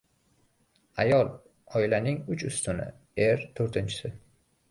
• Ayol oilaning uch ustuni, er — to‘rtinchisi.